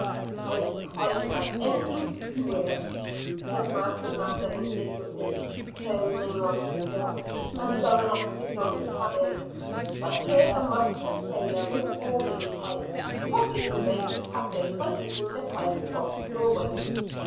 "I decline to have anything to do with it," said Master Mather indignantly, turning on his heel, and going to the door of the cabin. But here a muscular sailor, with a boarding pike, promptly forbade his passage by putting the pike across the door way.